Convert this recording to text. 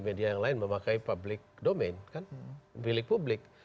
mereka memakai domain publik